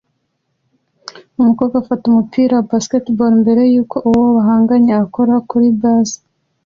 Umukobwa afata umupira wa baseball mbere yuko uwo bahanganye akora kuri base